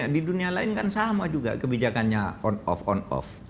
di dunia lain kan sama juga kebijakannya on off on off